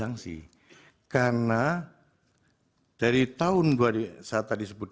langsung naik dalam sebuah hitung fokus ke besser